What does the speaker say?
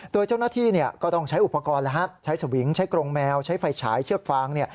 โดยเจ้าหน้าที่ก็ต้องใช้อุปกรณ์ใช้สวิงใช้กรงแมวใช้ไฟฉายเชือกฟาง